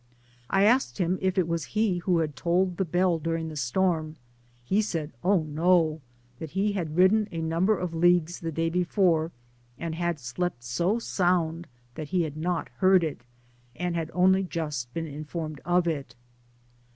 I asked him if it was he who had tolled the bell Digitized byGoogk during the fitoim ; he Mtid, Oh, no I that he had ridden a number of leagues the day before, and had slept so sound) that he had not heard it, and had only just been informed of it.